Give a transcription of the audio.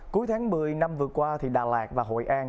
cuối tháng một mươi năm vừa qua đà lạt và hội an